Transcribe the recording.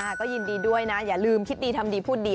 ก็ยินดีด้วยนะอย่าลืมคิดดีทำดีพูดดี